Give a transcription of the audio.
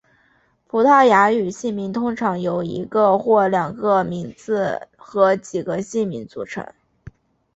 葡萄牙语姓名通常由一个或两个名字和几个姓氏组成。